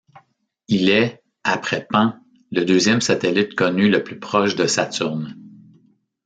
Il est, après Pan, le deuxième satellite connu le plus proche de Saturne.